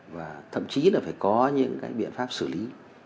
và thậm chí là phải có những cái biện pháp xử lý